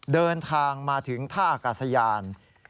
เดินทางมาถึงท่าอากาศยาน